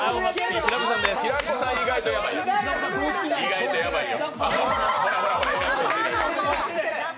意外とやばいよ。